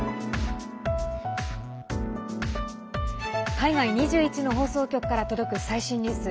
海外２１の放送局から届く最新ニュース。